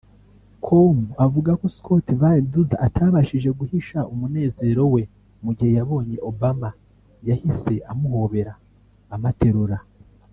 com avuga ko Scott Van Duzer atabashije guhisha umunezero we mu gihe yabonye Obama yahise amuhobera amaterura